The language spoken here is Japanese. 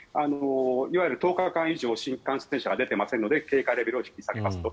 いわゆる１０日間以上新規感染者は出ていませんので警戒レベルを引き下げますと。